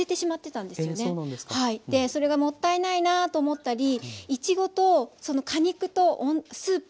それがもったいないなと思ったりいちごとその果肉とスープ